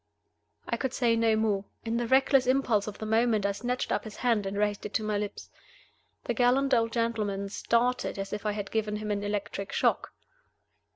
I could say no more. In the reckless impulse of the moment I snatched up his hand and raised it to my lips. The gallant old gentleman started as if I had given him an electric shock.